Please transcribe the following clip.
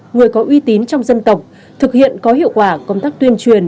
người có uy tín trong dân tộc thực hiện có hiệu quả công tác tuyên truyền